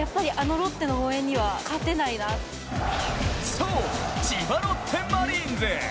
そう、千葉ロッテマリーンズ。